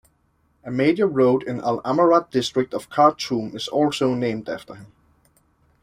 A major road in Al Amarat District of Khartoum is also named after him.